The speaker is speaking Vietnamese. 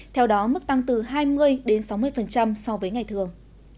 theo đó mức tăng từ hai mươi đến sáu mươi so với ngày thường